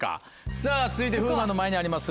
さぁ続いて風磨の前にあります